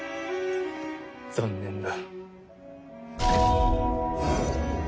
残念だ。